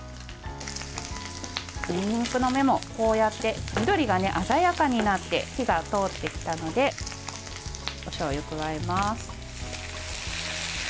にんにくの芽もこうやって緑が鮮やかになって火が通ってきたのでおしょうゆを加えます。